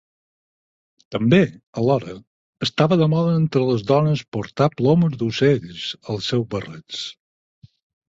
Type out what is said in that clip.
També, alhora, estava de moda entre les dones portar plomes d’ocells als seus barrets.